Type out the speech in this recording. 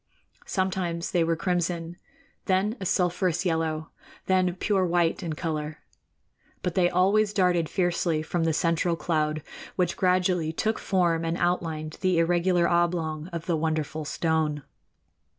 Sometimes they were crimson; then a sulphurous yellow; then pure white in color. But they always darted fiercely from the central cloud, which gradually took form and outlined the irregular oblong of the wonderful stone.